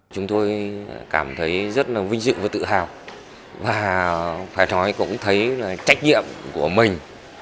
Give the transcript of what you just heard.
chúng tôi cảm thấy rất vinh dự và tự hào và phải nói cũng thấy trách nhiệm của mình